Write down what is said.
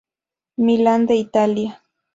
Milan de Italia.